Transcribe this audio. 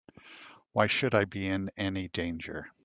Why should I be in any danger?